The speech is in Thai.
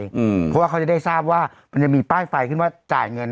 เพราะว่าเขาจะได้ทราบว่ามันยังมีป้ายไฟขึ้นว่าจ่ายเงิน